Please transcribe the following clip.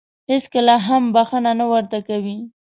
هېڅکله هم بښنه نه ورته کوي .